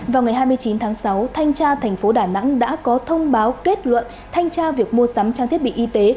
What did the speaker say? vào ngày hai mươi chín tháng sáu thanh tra thành phố đà nẵng đã có thông báo kết luận thanh tra việc mua sắm trang thiết bị y tế